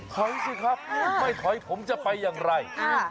ถอยสิครับไม่ถอยผมจะไปอย่างไร